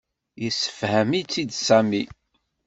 Yessefhem-itt-id Sami.